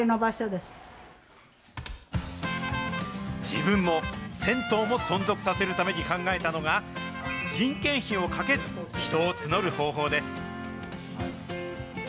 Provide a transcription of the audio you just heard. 自分も、銭湯も存続させるために考えたのが、人件費をかけず、人を募る方法です。